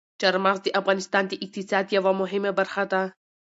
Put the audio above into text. چار مغز د افغانستان د اقتصاد یوه مهمه برخه ده.